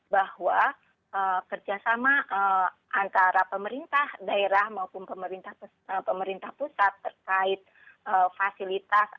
bahwa kerjasama antara pemerintah daerah maupun pemerintah pusat terkait fasilitas